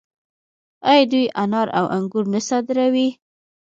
آیا دوی انار او انګور نه صادروي؟